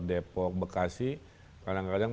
depok bekasi kadang kadang